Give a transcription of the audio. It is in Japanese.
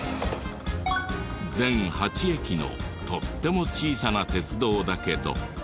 全８駅のとっても小さな鉄道だけど。